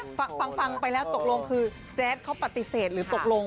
ฟังฟังไปแล้วตกลงคือแจ๊ดเขาปฏิเสธหรือตกลง